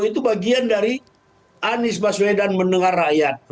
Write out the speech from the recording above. itu bagian dari anies baswedan mendengar rakyat